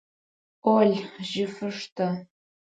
Ол, жьыфыр штэ!